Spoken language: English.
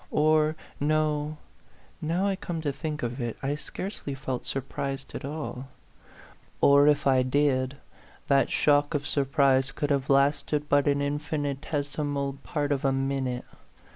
Or, no A PHANTOM LOVER. 23 now I come to think of it, I scarcely felt sur prised at all; or if I did, that shock of sur prise could have lasted but an infinitesimal part of a minute.